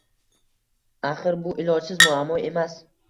Axir bu ilojsiz muammo emas